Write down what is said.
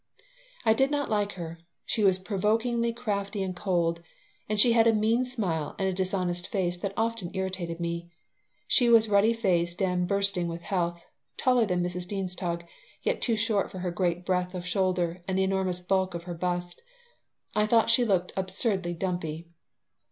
I did not like her. She was provokingly crafty and cold, and she had a mean smile and a dishonest voice that often irritated me. She was ruddy faced and bursting with health, taller than Mrs. Dienstog, yet too short for her great breadth of shoulder and the enormous bulk of her bust. I thought she looked absurdly dumpy.